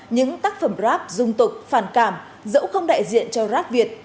những tác phẩm grab dung tục phản cảm dẫu không đại diện cho rap việt